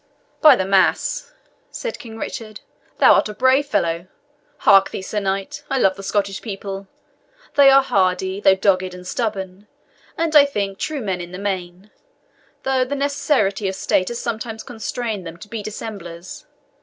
"By the mass," said King Richard, "thou art a brave fellow! Hark thee, Sir Knight, I love the Scottish people; they are hardy, though dogged and stubborn, and, I think, true men in the main, though the necessity of state has sometimes constrained them to be dissemblers.